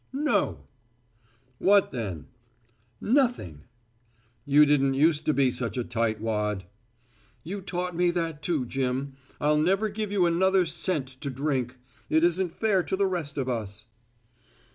"No." "What then?" "Nothing." "You didn't use to be such a tightwad." "You taught me that, too, Jim. I'll never give you another cent to drink. It isn't fair to the rest of us."